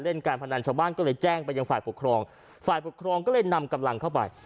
การพนันชาวบ้านก็เลยแจ้งไปยังฝ่ายปกครองฝ่ายปกครองก็เลยนำกำลังเข้าไป